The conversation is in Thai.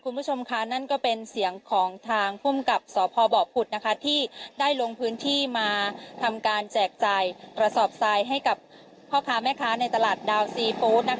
คุณผู้ชมค่ะนั่นก็เป็นเสียงของทางภูมิกับสพบผุดที่ได้ลงพื้นที่มาทำการแจกจ่ายกระสอบทรายให้กับพ่อค้าแม่ค้าในตลาดดาวซีฟู้ด